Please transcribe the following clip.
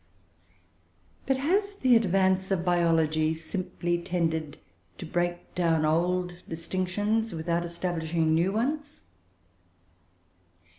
But has the advance of biology simply tended to break down old distinctions, without establishing new ones?